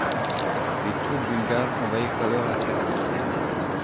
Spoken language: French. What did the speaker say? Les troupes bulgares envahirent alors la Serbie.